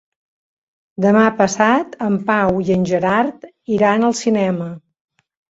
Demà passat en Pau i en Gerard iran al cinema.